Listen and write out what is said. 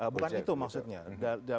bukan itu maksudnya